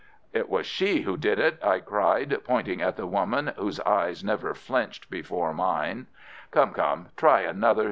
"It was she who did it," I cried, pointing at the woman, whose eyes never flinched before mine. "Come! come! Try another!"